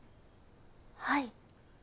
はい。